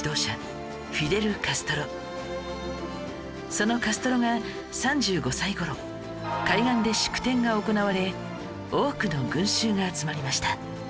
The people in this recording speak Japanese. そのカストロが３５歳頃海岸で祝典が行われ多くの群衆が集まりました